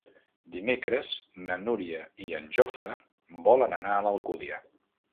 Dimecres na Núria i en Jofre volen anar a l'Alcúdia.